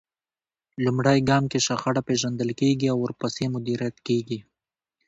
لومړی ګام کې شخړه پېژندل کېږي او ورپسې مديريت کېږي.